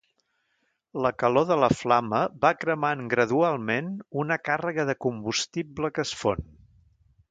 La calor de la flama va cremant gradualment una càrrega de combustible que es fon.